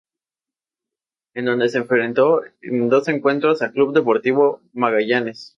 En donde se enfrentó en dos encuentros a Club Deportivo Magallanes.